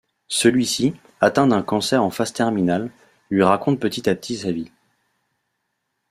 Celui-ci, atteint d'un cancer en phase terminale, lui raconte petit à petit sa vie.